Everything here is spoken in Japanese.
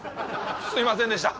すいませんでした！